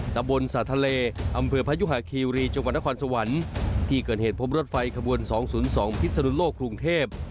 ตำบนสนทะเลอำเผื่อพคิวรีจังหวัดนครสวรรค์ที่เกิดเหตุพลมรถไฟขบวนสองศูนย์สองพิษนุนโลกกรุงเทพ